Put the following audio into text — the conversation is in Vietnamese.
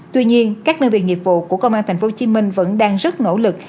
tuy nhiên các nơi việc nghiệp vụ của công an tp hcm vẫn đang rất nỗ lực